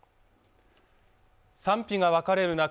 賛否が分かれる中